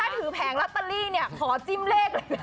ถือแผงลอตเตอรี่เนี่ยขอจิ้มเลข